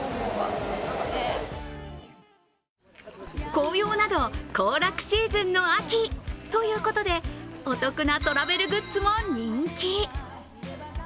紅葉など行楽シーズンの秋ということでお得なトラベルグッズも人気。